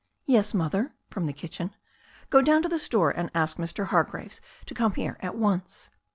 ''Yes, Mother," from the kitchen. "Go down to the store and ask Mr. Hargraves to come here at once."